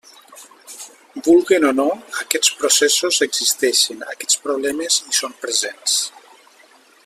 Vulguen o no, aquests processos existeixen, aquests problemes hi són presents.